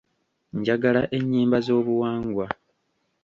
Njagala ennyimba z'obuwangwa.